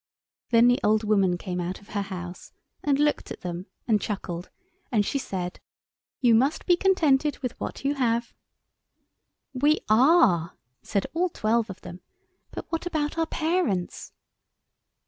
Then the old woman came out of her house and looked at them and chuckled, and she said— "You must be contented with what you have." "We are," said all twelve of them, "but what about our parents?"